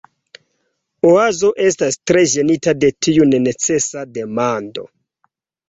Oazo estas tre ĝenita de tiu nenecesa demando.